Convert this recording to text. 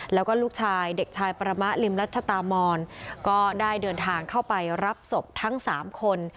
แล้วก็ลูกชายเด็กชายประมะริมรัชตามอนก็ได้เดินทางเข้าไปรับศพทั้ง๓คน